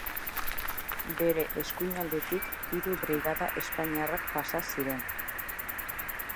Bere eskuinaldetik hiru brigada espainiarrak pasa ziren.